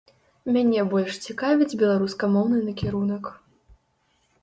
Мяне больш цікавіць беларускамоўны накірунак.